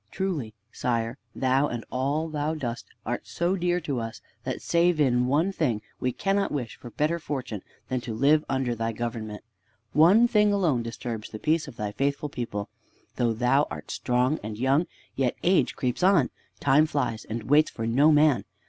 Truly, sire, thou and all thou dost art so dear to us that, save in one thing, we cannot wish for better fortune than to live under thy government. One thing alone disturbs the peace of thy faithful people. Though thou art young and strong, yet age creeps on! Time flies and waits for no man.